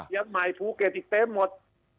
ยังไมค์ภูเกษที่เต็มหมด